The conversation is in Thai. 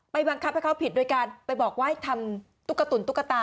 บังคับให้เขาผิดโดยการไปบอกว่าให้ทำตุ๊กตุ๋นตุ๊กตา